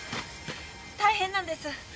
大変なんです。